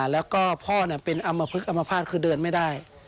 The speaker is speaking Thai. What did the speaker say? แล้วก็พ่อเป็นอำมพลึกอมภาษณ์คือเดินไม่ได้